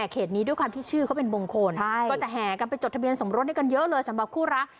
ก็จะแห่กันไปจดทะเบียนสมรสให้กันเยอะเลยสำหรับคู่รัก